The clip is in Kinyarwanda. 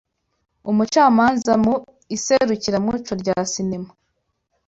Umucamanza mu iserukiramuco rya sinema